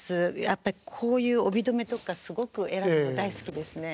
やっぱりこういう帯留めとかすごく選ぶの大好きですね。